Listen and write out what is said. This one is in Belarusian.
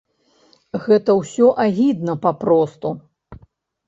Гэта ўсё агідна папросту!